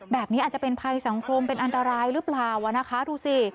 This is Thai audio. แบบนี้อาจจะเป็นภัยสังคมเป็นอันตรายหรือเปล่านะคะดูสิ